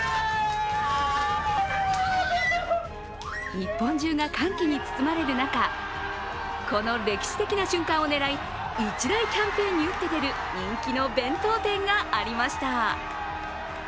日本中が歓喜に包まれる中、この歴史的な瞬間を狙い一大キャンペーンに打って出る人気の弁当店がありました。